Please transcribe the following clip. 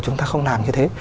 chúng ta không làm như thế